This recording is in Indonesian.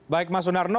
baik mas sunarno